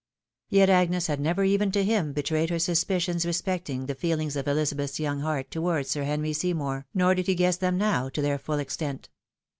Yet Agnes had never, even to him, betrayed her suspicions respecting the feehngs of Elizabeth's young heart towards Sir Henry Seymour, nor did he guess them now to their full extent.